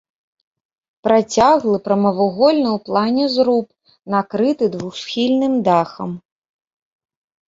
Працяглы прамавугольны ў плане зруб, накрыты двухсхільным дахам.